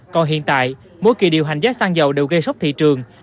còn hiện tại mỗi kỳ điều hành giá xăng dầu đều gây sốc thị trường